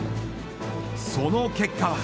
その結果は。